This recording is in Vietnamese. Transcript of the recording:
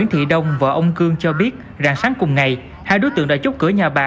vị đồng vợ ông cương cho biết ràng sáng cùng ngày hai đối tượng đã chút cửa nhà bà